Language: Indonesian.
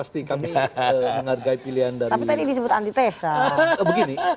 tapi tadi disebut antitesis